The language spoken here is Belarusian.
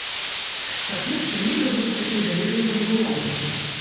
Па-першае, нельга быць такім даверлівым да ўлады.